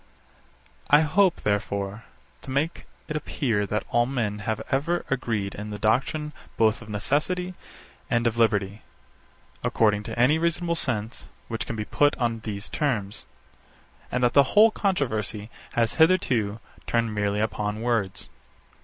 I hope, therefore, to make it appear that all men have ever agreed in the doctrine both of necessity and of liberty, according to any reasonable sense, which can be put on these terms; and that the whole controversy has hitherto turned merely upon words.